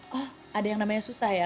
wah ada yang namanya susah ya